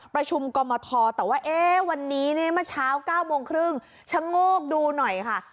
ประชุมกรมทแต่ว่าวันนี้เนี่ยเมื่อเช้า๙โมงครึ่งชะโงกดูหน่อยค่ะ